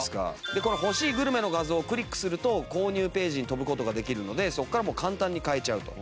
でこの欲しいグルメの画像をクリックすると購入ページに飛ぶ事ができるのでそこからもう簡単に買えちゃうと。